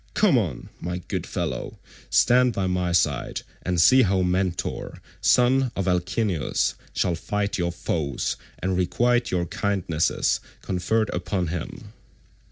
Come on, my good fellow, stand by my side and see how Mentor, son of Alcimus shall fight your foes and requite your kindnesses conferred upon him."